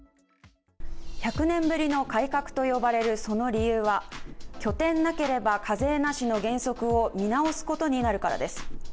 １００年ぶりの改革と呼ばれるその理由は拠点なければ課税なしの原則を見直すことになるからです。